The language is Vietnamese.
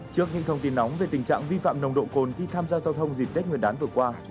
trước những thông tin nóng về tình trạng vi phạm nồng độ cồn khi tham gia giao thông dịp tết nguyên đán vừa qua